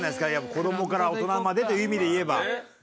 子どもから大人までという意味でいえば。